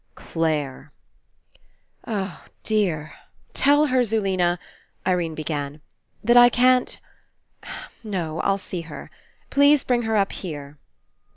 '^ Clare I ''Oh dear! Tell her, Zulena," Irene be gan, '*that I can't — No. I'll see her. Please bring her up here."